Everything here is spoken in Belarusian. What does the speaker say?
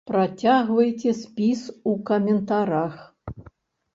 Працягвайце спіс у каментарах!